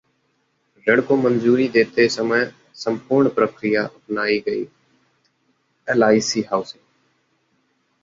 ऋण को मंजूरी देते समय संपूर्ण प्रक्रिया अपनाई गईः एलआईसी हाउसिंग